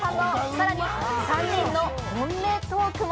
さらに３人の本音トークも。